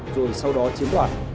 rồi sau đó chiếm đoạt